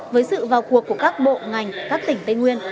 với sự vào cuộc của các bộ ngành các tỉnh tây nguyên